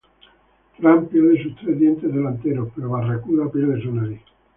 Frank pierde sus tres dientes delanteros pero Barracuda pierde su nariz.